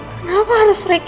kenapa harus riki lagi mbak